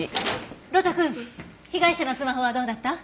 呂太くん被害者のスマホはどうだった？